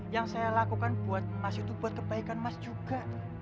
yang saya lakukan buat mas itu buat kebaikan mas juga